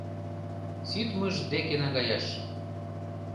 Ситмыж деке наҥгаяш